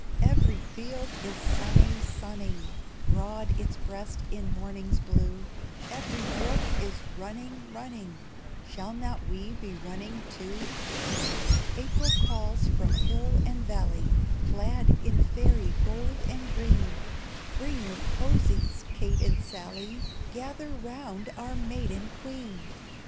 Every field is sunning, sunning Broad its breast in morning's blue; Every brook is running, running, Shall not we be running, too? April calls from hill and valley, Clad in fairy gold and green; Bring your posies, Kate and Sally! Gather round our maiden Queen!